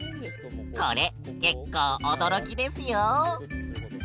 これ結構驚きですよ。